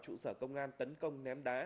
trụ sở công an tấn công ném đá